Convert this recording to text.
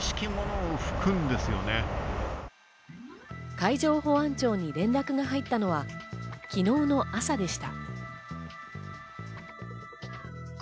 海上保安庁に連絡が入ったのは昨日の朝でした。